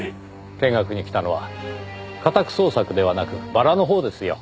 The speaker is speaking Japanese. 見学に来たのは家宅捜索ではなくバラのほうですよ。